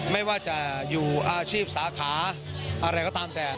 ไม่ว่าจะอยู่อาชีพสาขาอะไรก็ตามแต่